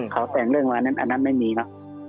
เขาแต่งเรื่องวันนั้นอันนั้นไม่มีเนอะ